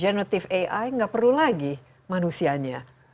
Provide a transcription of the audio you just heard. generative ai tidak perlu lagi manusianya